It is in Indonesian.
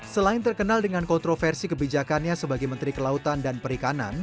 selain terkenal dengan kontroversi kebijakannya sebagai menteri kelautan dan perikanan